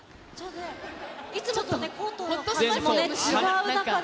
いつもとコートが違う中で。